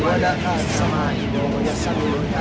kenapa santai pokok kali ini gagal